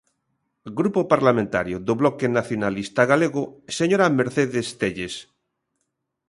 Grupo Parlamentario do Bloque Nacionalista Galego, señora Mercedes Telles.